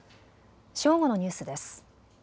正午のニュースです。